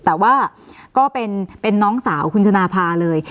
แต่ว่าก็เป็นน้องสาวคุณชนะภาเลย